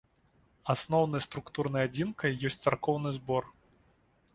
Асноўнай структурнай адзінкай ёсць царкоўны збор.